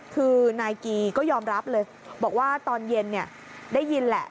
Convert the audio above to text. คือนายกีก็ยอมรับเลยบอกว่าตอนเย็นได้ยินแหละ